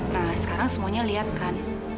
nah sekarang semuanya lihat kan